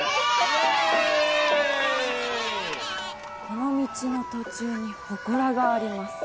この道の途中にほこらがあります